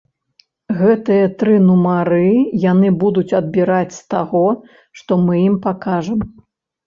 Гэтыя тры нумары яны будуць адбіраць з таго, што мы ім пакажам.